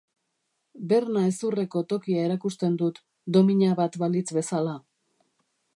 Berna-hezurreko tokia erakusten dut, domina bat balitz bezala.